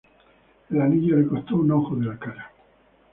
El anillo le costó un ojo de la cara